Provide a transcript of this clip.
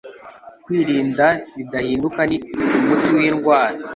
Kwirinda Bidahinduka ni Umuti wIndwara